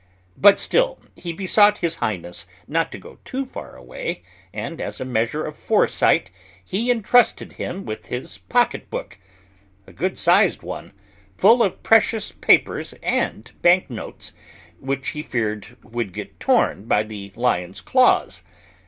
But still he besought His Highness not to go too far away, and, as a measure of foresight, he entrusted him with his pocket book, a good sized one, full of precious papers and bank notes, which he feared would get torn by the lion's claws.